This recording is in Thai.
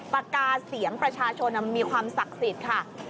ปากกาเสียงประชาชนมันมีความศักดิ์สิทธิ์ค่ะ